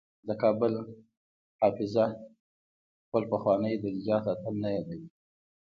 د کابل حافظه خپل پخوانی د نجات اتل نه یادوي.